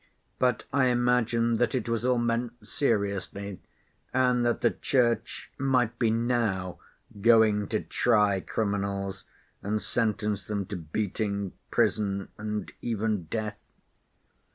But I imagined that it was all meant seriously, and that the Church might be now going to try criminals, and sentence them to beating, prison, and even death."